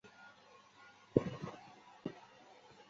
为丹霞地貌景观。